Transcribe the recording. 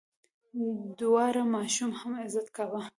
د واړه ماشوم هم عزت کوه.